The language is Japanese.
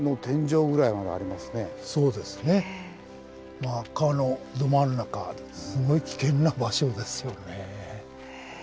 まあ川のど真ん中すごい危険な場所ですよね。